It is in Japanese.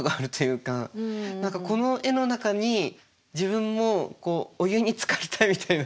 何かこの絵の中に自分もお湯につかれたみたいな。